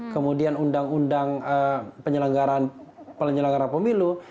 kemudian undang undang penyelenggara pemilu